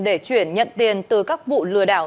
để chuyển nhận tiền từ các vụ lừa đảo